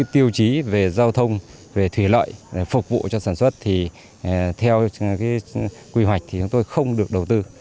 tiêu chí về giao thông về thủy lợi phục vụ cho sản xuất thì theo quy hoạch thì chúng tôi không được đầu tư